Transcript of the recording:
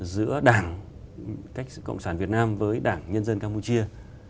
giữa đảng cách cộng sản việt nam với đảng nhân dân campuchia